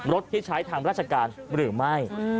รถที่ใช้ทางราชการหรือไม่